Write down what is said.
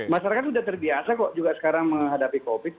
masyarakat sudah terbiasa kok juga sekarang menghadapi covid